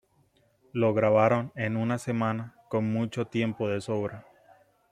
Lo grabaron en una semana con mucho tiempo de sobra.